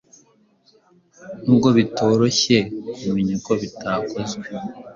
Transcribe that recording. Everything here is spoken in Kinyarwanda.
Nubwo bitoroshye kumenya ko bitakozwe